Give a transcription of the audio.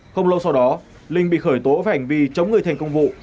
không lâu sau đó linh bị khởi tố về hành vi chống người thành công vụ